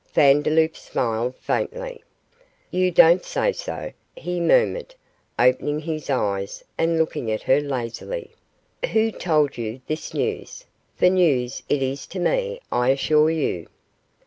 Vandeloup smiled faintly. 'You don't say so?' he murmured, opening his eyes and looking at her lazily; 'who told you this news for news it is to me, I assure you?